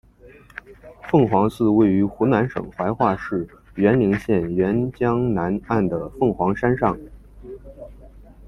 凤凰寺位于湖南省怀化市沅陵县沅江南岸的凤凰山上。